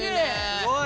すごい。